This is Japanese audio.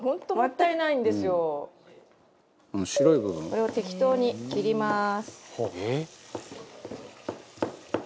これを適当に切ります。